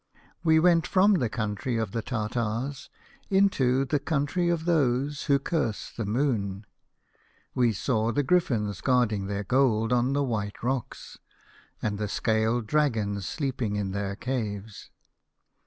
"We went from the country of the Tartars into the country of those who curse the Moon. We saw the Gryphons guarding their gold on the white rocks, and the scaled Dragons sleeping in their caves.